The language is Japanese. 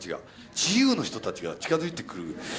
自由の人たちが近づいてくる。